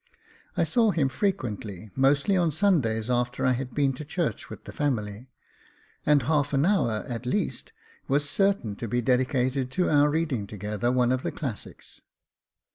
I saw him frequently, mostly on Sundays after I had been to church with the family ; and half an hour, at least, was certain to be dedicated to our reading together one of the classics.